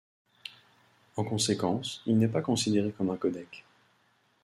En conséquence, il n'est pas considéré comme un codec.